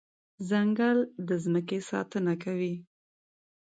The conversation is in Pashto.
ځنګل د ځمکې ساتنه کوي.